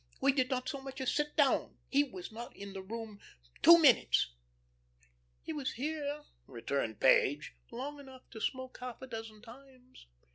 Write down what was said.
We did not so much as sit down. He was not in the room two minutes." "He was here," returned Page, "long enough to smoke half a dozen times."